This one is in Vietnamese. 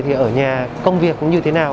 thì ở nhà công việc cũng như thế nào